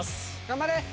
頑張れ！